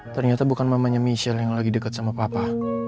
ternyata bukan mamanya michelle yang lagi dekat sama papa